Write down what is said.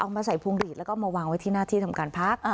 มาใส่พวงหลีดแล้วก็มาวางไว้ที่หน้าที่ทำการพัก